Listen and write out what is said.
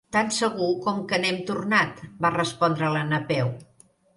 Tan segur com que n'hem tornat —va respondre la Napeu—.